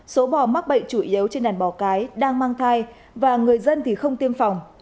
số bò mắc bệnh chủ yếu trên đàn bò cái đang mang thai và người dân thì không tiêm phòng